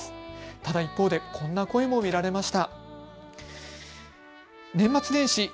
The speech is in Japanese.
ただ一方でこんな声も見られました。